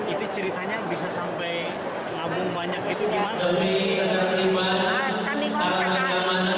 itu ceritanya bisa sampai ngabung banyak itu gimana